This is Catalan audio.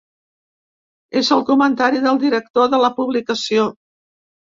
És el comentari del director de la publicació.